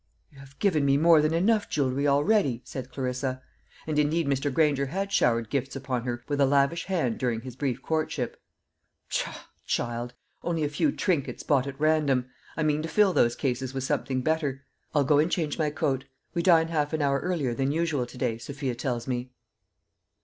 "You have given me more than enough jewelry already," said Clarissa. And indeed Mr. Granger had showered gifts upon her with a lavish hand during his brief courtship. "Pshaw, child! only a few trinkets bought at random. I mean to fill those cases with something better. I'll go and change my coat. We dine half an hour earlier than usual to day, Sophia tells me."